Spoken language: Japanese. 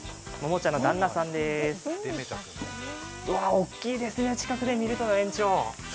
大きいですね、近くで見ると。